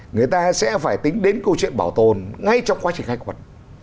người ta sẽ phải tính đến câu chuyện bảo tồn ngay trong quá trình khai quật